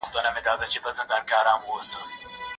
ژوند يې پکې ونغښتی، بيا يې رابرسيره کړ